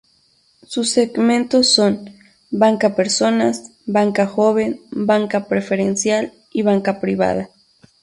Sus segmentos son Banca Personas, Banca Joven, Banca Preferencial y Banca Privada.